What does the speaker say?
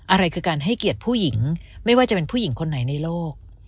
อะไรคือการให้เกียรติผู้หญิงไม่ว่าจะเป็นผู้หญิงคนไหนในโลก